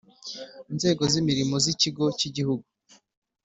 Inzego z Imirimo z Ikigo cy Igihugu